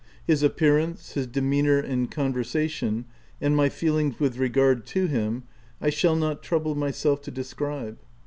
His appearance, his demeanour and conversation, and my feelings with regard to him, I shall not trouble myself to describe.